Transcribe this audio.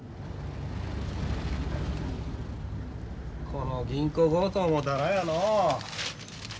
この銀行強盗もだらやのう。